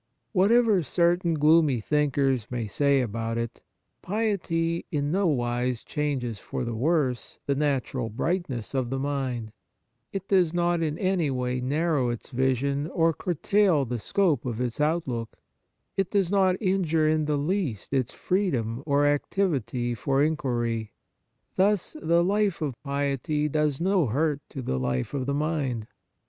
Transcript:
Whatever certain gloomy thinkers may say about it, piety in no wise changes for the worse the natural brightness of the mind ; it does not in any way narrow its vision or curtail the scope of its outlook ; it does not injure in the least its freedom or 128 The Fruits of Piety activity for inquiry. Thus, the life of piety does no hurt to the life of the mind.